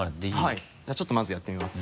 はいじゃあちょっとまずやってみます。